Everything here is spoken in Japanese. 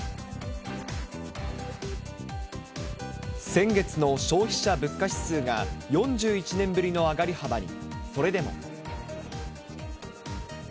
先月の消費者物指数が４１年ぶりの上がり幅に。